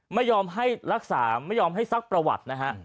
ไม่ยอมให้รักษาไม่ยอมให้ซักประวัตินะฮะ